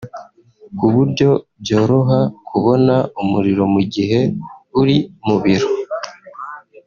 ku buryo byoroha kubona umuriro mu gihe uri mu biro